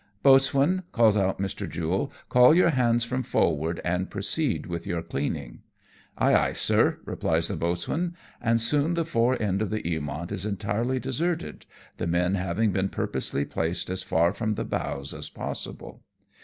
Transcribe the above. "Boatswain,'" calls out Mr. Jule, "call your hands from forward, and proceed with your cleaning." " Ay, ay, sir !" replies the boatswain ; and soon the fore end of the Eamont is entirely deserted, the men having been purposely placed as far from the bows as possible.